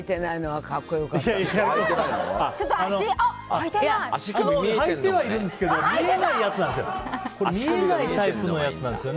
はいてはいるんですけど見えないやつなんですよ。